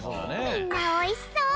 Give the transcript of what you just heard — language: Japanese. みんなおいしそう！